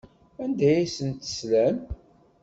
Anda ay asen-teslam?